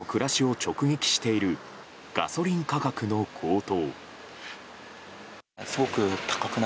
人々の暮らしを直撃しているガソリン価格の高騰。